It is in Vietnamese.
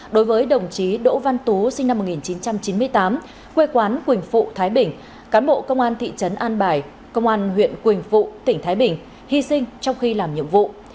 đối với đồng chí đỗ văn tú sinh năm một nghìn chín trăm chín mươi tám quê quán quỳnh phụ thái bình cán bộ công an thị trấn an bài công an huyện quỳnh phụ tỉnh thái bình hy sinh trong khi làm nhiệm vụ